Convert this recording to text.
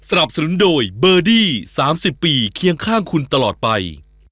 สำหรับสนุนโดยเบอร์ดี้สามสิบปีเคียงข้างคุณตลอดไป